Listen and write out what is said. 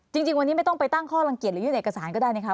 จริงวันนี้ไม่ต้องไปตั้งข้อลังเกียจหรือยื่นเอกสารก็ได้ไหมคะ